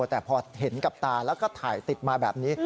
แต่พอเห็นกับตาแล้วก็ถ่ายติดมาแบบนี้